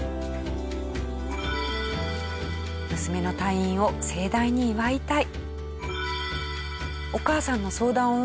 娘の退院を盛大に祝いたい。